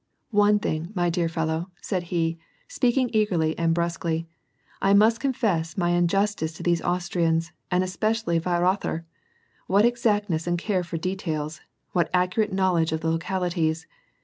One thing, my dear fellow," said he, speaking eagerly and brusquely, " I must confess my injustice to these Austrians, and especially to Weirother ! What exactness and care for details ! whii accurate knowledge of the localities